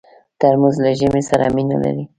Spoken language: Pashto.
ترموز له ژمي سره مینه لري.